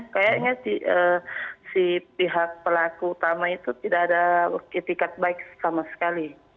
kayaknya si pihak pelaku utama itu tidak ada itikat baik sama sekali